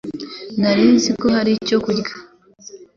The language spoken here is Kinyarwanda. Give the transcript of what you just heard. Nari nzi ko hari icyo kurya.